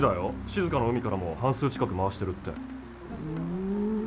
「静かの海からも半数近く回してる」って。